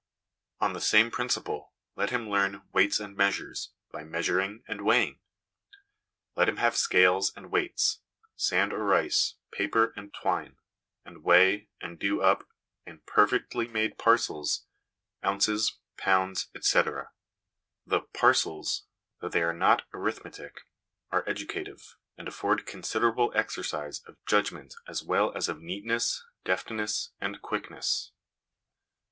On the same 260 HOME EDUCATION principle, let him learn ' weights and measures ' by measuring and weighing ; let him have scales and weights, sand or rice, paper and twine, and weigh, and do up, in perfectly made parcels, ounces, pounds, etc. The parcels, though they are not arithmetic, are educative, and afford considerable exercise of judg ment as well as of neatness, deftness, and quickness.